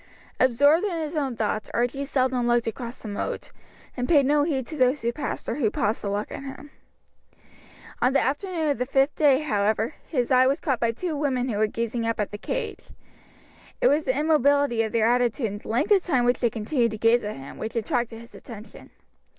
Absorbed in his own thoughts Archie seldom looked across the moat, and paid no heed to those who passed or who paused to look at him. On the afternoon of the fifth day, however, his eye was caught by two women who were gazing up at the cage. It was the immobility of their attitude and the length of time which they continued to gaze at him, which attracted his attention.